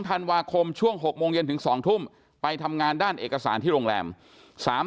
ธันวาคมช่วง๖โมงเย็นถึง๒ทุ่มไปทำงานด้านเอกสารที่โรงแรม